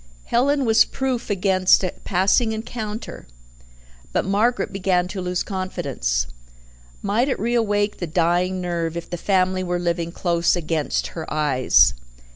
Helen was proof against a passing encounter but Margaret began to lose confidence. Might it reawake the dying nerve if the family were living close against her eyes?